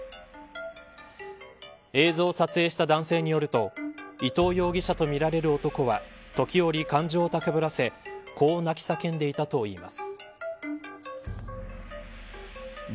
映像を撮影した男性によると伊藤容疑者とみられる男は時折、感情をたかぶらせこう泣き叫んでいたといいます。